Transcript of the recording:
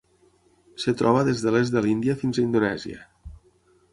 Es troba des de l'est de l'Índia fins a Indonèsia.